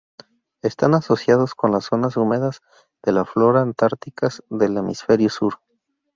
Están asociados con las zonas húmedas de la flora antárticas del hemisferio sur.